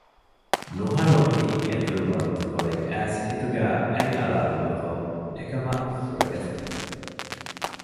ނުހަނު ހިތް އެދުނު ވަގުތުކޮޅެއް އައިސް ހިތުގައި އަތް އަޅާލުމަށްފަހު އެކަމަށް ފުރަގަސްދީފަ